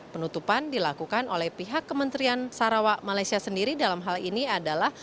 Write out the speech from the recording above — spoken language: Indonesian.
penutupan dilakukan oleh pihak kementerian sarawak malaysia sendiri dalam hal ini adalah